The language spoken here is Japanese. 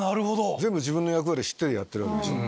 全部自分の役割知っててやってるわけでしょ。